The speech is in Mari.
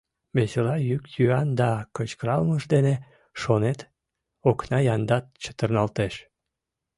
Весела йӱк-йӱан да кычкыркалымаш дене, шонет, окна яндат чытырналтеш.